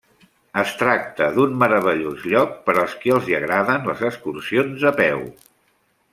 Es tracta d'un meravellós lloc per als qui els agraden les excursions a peu.